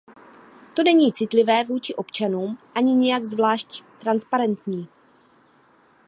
To není citlivé vůči občanům, ani nijak zvlášť transparentní.